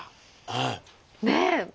ねえ。